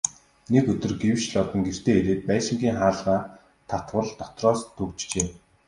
Нэг өдөр гэвш Лодон гэртээ ирээд байшингийн хаалгаа татвал дотроос түгжжээ.